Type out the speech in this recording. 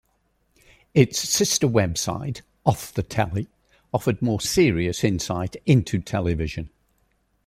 Its sister website "Off The Telly" offered more serious insight into television.